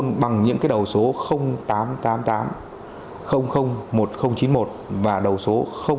vinaphone bằng những đầu số tám trăm tám mươi tám một nghìn chín mươi một và đầu số chín trăm một mươi một một nghìn chín mươi một